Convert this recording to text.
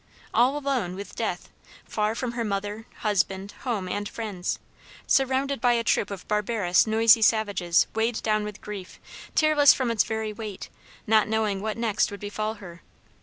All alone with death, far from her mother, husband, home, and friends, surrounded by a troop of barbarous, noisy savages weighed down with grief, tearless from its very weight, not knowing what next would befall her.